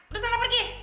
udah sana pergi